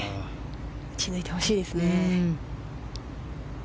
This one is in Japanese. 打ち抜いてほしいですね。